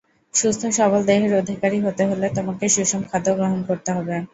সুস্থ-সবল দেহের অধিকারী হতে হলে তোমাকে সুষম খাদ্য গ্রহণ করতে হবে।